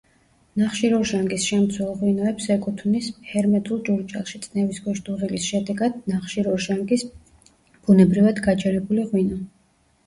ნახშირორჟანგის შემცველ ღვინოებს ეკუთვნის ჰერმეტულ ჭურჭელში წნევის ქვეშ დუღილის შდეგად ნახშირორჟანგის ბუნებრივად გაჯერებული ღვინო.